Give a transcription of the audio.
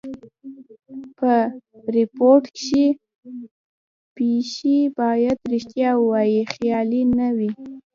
په ریپورټ کښي پېښي باید ریښتیا وي؛ خیالي نه وي.